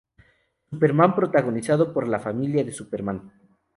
Superman" protagonizado por la "Familia de Superman".